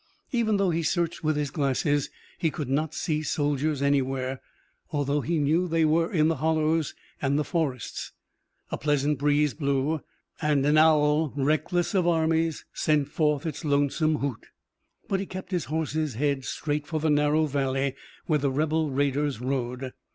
Even though he searched with his glasses he could not see soldiers anywhere, although he knew they were in the hollows and the forests. A pleasant breeze blew, and an owl, reckless of armies, sent forth its lonesome hoot. But he kept his horse's head straight for the narrow valley where the "rebel raiders" rode.